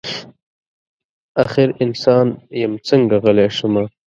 اخر انسان یم څنګه غلی شمه.